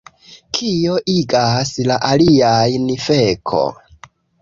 Kio igas la aliajn feko